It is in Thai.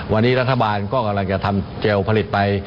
วันนี้รัฐบาลก็กำลังจะทำเจลผลิตไป